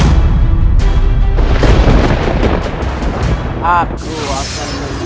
dan aku akan menguasai